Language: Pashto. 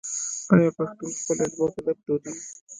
آیا پښتون خپله ځمکه نه پلوري؟